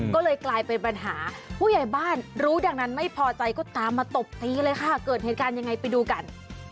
ก็เลยกลายเป็นปัญหาผู้ใหญ่บ้านรู้ดังนั้นไม่พอใจก็ตามมาตบตีเลยค่ะเกิดเหตุการณ์ยังไงไปดูกัน